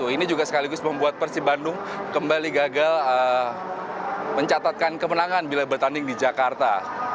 ini juga sekaligus membuat persib bandung kembali gagal mencatatkan kemenangan bila bertanding di jakarta